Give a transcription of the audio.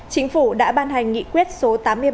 chính phủ đã ban hành nghị quyết số tám mươi ba